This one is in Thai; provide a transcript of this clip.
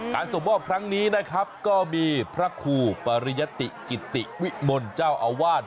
ส่งมอบครั้งนี้นะครับก็มีพระครูปริยติกิติวิมลเจ้าอาวาส